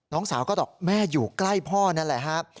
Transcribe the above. น้องสาวก็บอกแม่อยู่ใกล้พ่อนั่นแหละครับ